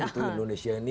itu indonesia ini